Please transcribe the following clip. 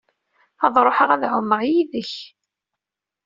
Ad ruḥeɣ ad ɛummeɣ yid-k.